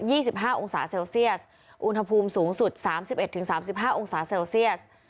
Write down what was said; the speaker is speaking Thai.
ี่สิบห้าองศาเซลเซียสอุณหภูมิสูงสุดสามสิบเอ็ดถึงสามสิบห้าองศาเซลเซียส